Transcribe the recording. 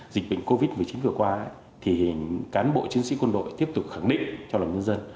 dịch bệnh covid một mươi chín vừa qua thì cán bộ chiến sĩ quân đội tiếp tục khẳng định cho lòng nhân dân